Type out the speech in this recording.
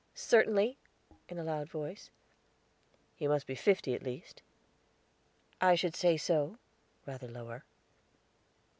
"Certainly," in a loud voice. "He must be fifty, at least." "I should say so," rather lower.